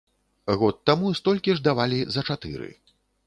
Год таму столькі ж давалі за чатыры.